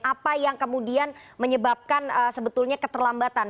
apa yang kemudian menyebabkan sebetulnya keterlambatan